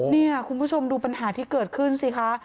นี่คุณผู้ชมดูปัญหาที่เกิดขึ้นสิคะ